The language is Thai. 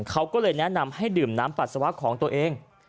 เขาก็เลยแนะนำให้ดื่มน้ำปัสสาวะของตัวเอง